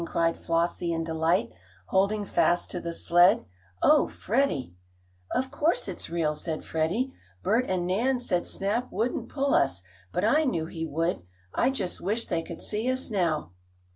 cried Flossie in delight, holding fast to the sled. "Oh, Freddie!" "Of course it's real!" said Freddie. "Bert and Nan said Snap wouldn't pull us, but I knew he would. I just wish they could see us now."